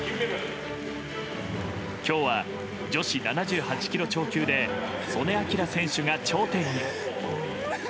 今日は女子７８ｋｇ超級で素根輝選手が頂点に。